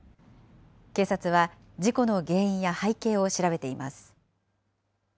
警察は、事故の原因や背景を調べています。